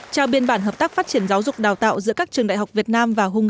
trao biên bản hợp tác phát triển giáo dục đào tạo giữa các trường đại học việt nam và hungary